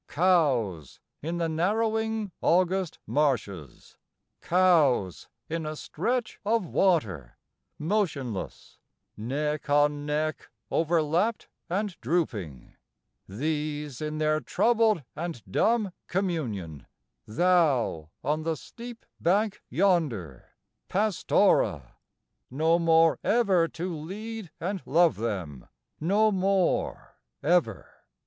XII Cows in the narrowing August marshes, Cows in a stretch of water Motionless, Neck on neck overlapped and drooping; These in their troubled and dumb communion, Thou on the steep bank yonder, Pastora! No more ever to lead and love them, No more ever.